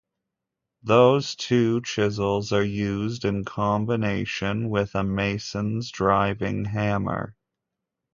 Those two chisels are used in combination with a masons driving hammer.